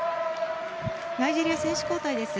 ナイジェリア、選手交代です。